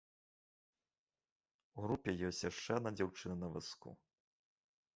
У групе ёсць яшчэ адна дзяўчына на вазку.